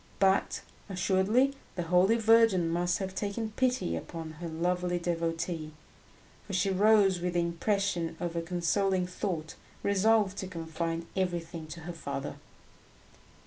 But, assuredly, the Holy Virgin must have taken pity upon her lovely devotee, for she rose with the impression of a consoling thought, resolved to confide everything to her father.